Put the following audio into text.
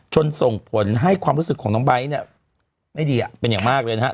ส่งผลให้ความรู้สึกของน้องไบท์เนี่ยไม่ดีเป็นอย่างมากเลยนะฮะ